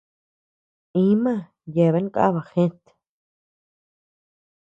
Íma yeabean kaba gët.